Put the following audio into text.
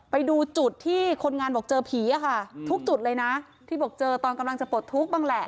ไปดูจุดที่คนงานบอกเจอผีอะค่ะทุกจุดเลยนะที่บอกเจอตอนกำลังจะปลดทุกข์บ้างแหละ